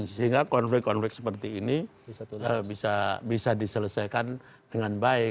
sehingga konflik konflik seperti ini bisa diselesaikan dengan baik